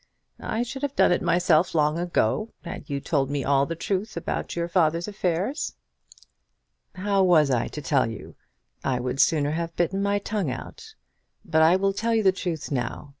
"I should have done it myself long ago, had you told me all the truth about your father's affairs." "How was I to tell you? I would sooner have bitten my tongue out. But I will tell you the truth now.